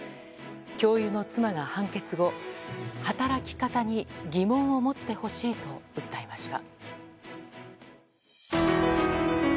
教諭の妻は判決後働き方に疑問を持ってほしいと訴えました。